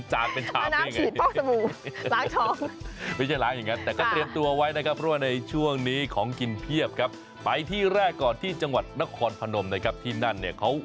ท้องดูว่าในช่วงนี้ของกินเพียบครับไปที่แรกก่อนที่จังหวัดนครพนมเลยครับที่นั่นเนี่ยเขา